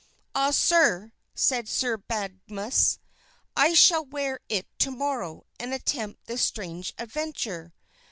"Ah! Sir," said Sir Badgemagus, "I shall wear it to morrow and attempt this strange adventure."